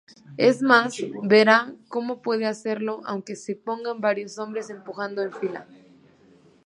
Es más, verá como puede hacerlo aunque se pongan varios hombres empujando en fila.